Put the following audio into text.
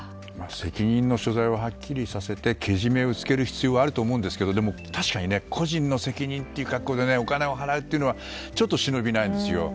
責任の所在をはっきりさせてけじめをつける必要はあると思うんですがでも確かに個人の責任っていう格好でお金を払うのはちょっと忍びないですよ。